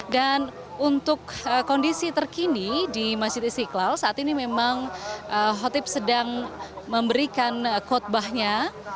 dan untuk kondisi terkini di masjid istiqlal saat ini memang hotib sedang memberikan khutbahnya